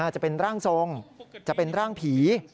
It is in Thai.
จะเป็นร่างทรงจะเป็นร่างผี